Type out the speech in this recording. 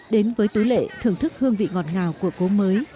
đến với tú lệ thưởng thức hương vị ngọt ngào của cố mới